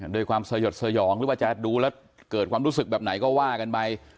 ด้วยความสยดสยองหรือว่าจะดูแล้วเกิดความรู้สึกแบบไหนก็ว่ากันไป